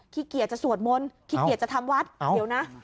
ขี้เกียจจะสวดมนต์ขี้เกียจจะทำวัดเดี๋ยวนะ